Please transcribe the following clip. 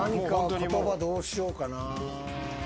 言葉どうしようかな？